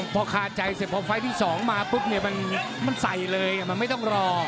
พอคาใจเสร็จพอไฟล์ที่๒มาปุ๊บเนี่ยมันใส่เลยมันไม่ต้องรอ